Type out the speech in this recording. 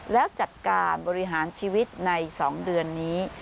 แล้วจัดการบริหารชีวิตใน๒เดือนนี้